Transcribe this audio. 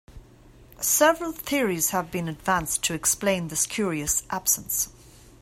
Several theories have been advanced to explain this curious absence.